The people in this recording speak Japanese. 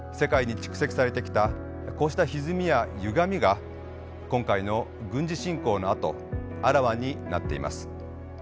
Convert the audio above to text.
こうしたひずみやゆがみが今回の軍事侵攻のあとあらわになっています。